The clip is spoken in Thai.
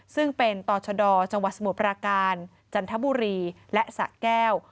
ซึ่งเป็นต่อชะดอจังหวัดสมุทรปราการจันทบุรีและสะแก้ว